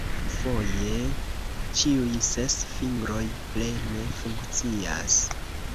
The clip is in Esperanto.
Foje ĉiuj ses fingroj plene funkcias.